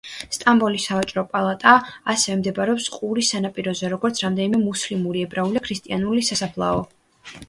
სტამბოლის სავაჭრო პალატა, ასევე მდებარეობს ყურის სანაპიროზე, როგორც რამდენიმე მუსლიმური, ებრაული და ქრისტიანული სასაფლაო.